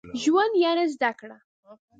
ژوند يعني زده کړه.